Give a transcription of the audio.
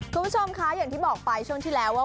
คุณผู้ชมคะอย่างที่บอกไปช่วงที่แล้วว่า